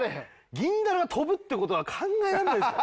銀だら飛ぶって事は考えられないですよ。